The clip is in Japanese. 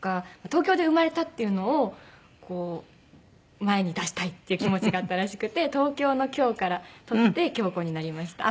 東京で生まれたっていうのを前に出したいっていう気持ちがあったらしくて東京の「京」から取って京子になりました。